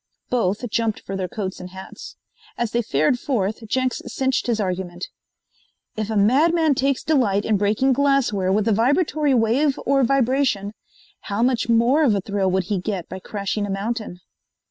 Both jumped for their coats and hats. As they fared forth, Jenks cinched his argument: "If a madman takes delight in breaking glassware with a vibratory wave or vibration, how much more of a thrill would he get by crashing a mountain?"